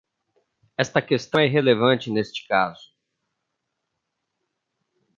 Esta questão é irrelevante neste caso.